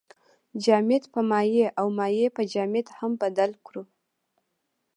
جامد په مایع او مایع په جامد هم بدل کړو.